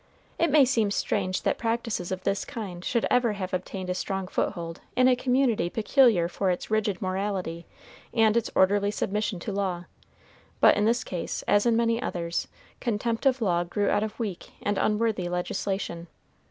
It may seem strange that practices of this kind should ever have obtained a strong foothold in a community peculiar for its rigid morality and its orderly submission to law; but in this case, as in many others, contempt of law grew out of weak and unworthy legislation.